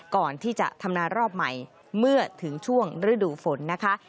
ก่อนที่จะทำนารอบใหม่เมื่อถึงช่วงฤดูฝนนะคะ